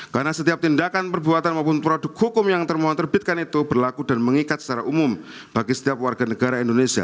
karena setiap tindakan perbuatan maupun produk hukum yang termohon terbitkan itu berlaku dan mengikat secara umum bagi setiap warga negara indonesia